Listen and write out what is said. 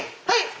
はい！